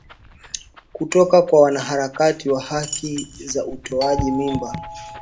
kutoka kwa wanaharakati wa haki za utoaji mimba